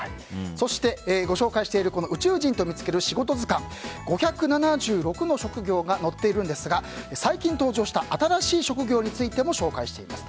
そして、ご紹介している「宇宙人とみつける仕事図鑑」５７６の職業が載っているんですが最近登場した新しい職業についても紹介しています。